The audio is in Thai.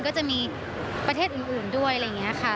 ก็จะมีประเทศอื่นด้วยอะไรอย่างนี้ค่ะ